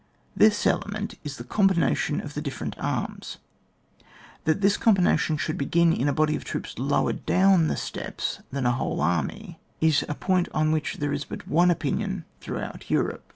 This element is the combination of the different arms. That this combination shoidd begin in a body of troops lower down the steps than a whole ai'my, is a point on which there is but one opinion throughout Europe.